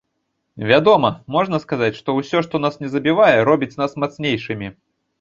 Вядома, можна сказаць, што ўсё, што нас не забівае, робіць нас мацнейшымі.